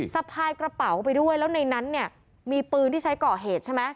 สะพายกระเป๋าไปด้วยแล้วในนั้นเนี่ยมีปืนที่ใช้ก่อเหตุใช่ไหม